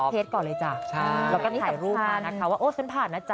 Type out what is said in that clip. เราก็ถ่ายรูปมานะคะว่าโอ๊ยฉันผ่านนะจ๊ะ